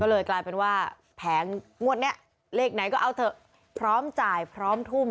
ก็เลยกลายเป็นว่าแผงงวดนี้เลขไหนก็เอาเถอะพร้อมจ่ายพร้อมทุ่ม